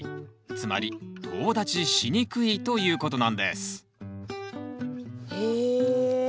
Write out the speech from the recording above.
つまりとう立ちしにくいということなんですへえ